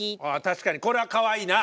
確かにこれはかわいいな。